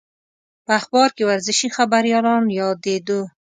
په اخبار کې ورزشي خبریالان یادېدو.